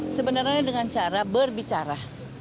sebenarnya dengan cara berbicara